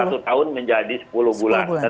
atau hal yang dikurangi